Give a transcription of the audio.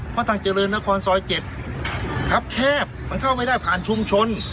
ทางเจริญนครซอย๗ทับแคบมันเข้าไม่ได้ผ่านชุมชน